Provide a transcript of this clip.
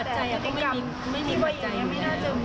ขัดใจก็ไม่มีไม่มีขัดใจกัน